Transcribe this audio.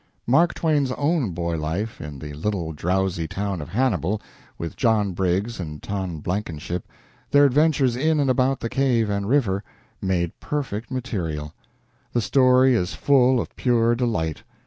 Mark Twain's own boy life in the little drowsy town of Hannibal, with John Briggs and Tom Blankenship their adventures in and about the cave and river made perfect material. The story is full of pure delight.